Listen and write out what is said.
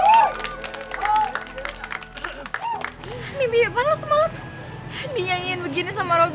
ini gimana semalam dinyanyiin begini sama robby